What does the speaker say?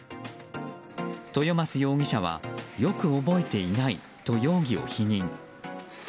豊増容疑者はよく覚えていないと容疑を否認。